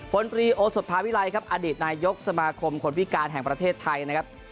ปรีโอสดภาวิลัยครับอดีตนายกสมาคมคนพิการแห่งประเทศไทยนะครับ